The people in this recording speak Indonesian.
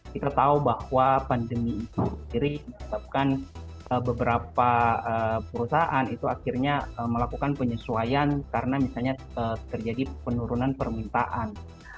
kita tahu bahwa pandemi itu sendiri menyebabkan beberapa perusahaan itu akhirnya melakukan penyesuaian karena misalnya terjadi penurunan permintaan